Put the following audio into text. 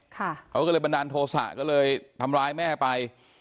เขาก็เลยบันดาลโทษะก็เลยทำร้ายแม่ไป